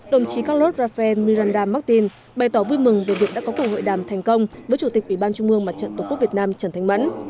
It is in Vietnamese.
đồng chí carlos rafael miranda martin bày tỏ vui mừng về việc đã có cuộc hội đàm thành công với chủ tịch ủy ban trung mương mặt trận tổ quốc việt nam trần thanh mẫn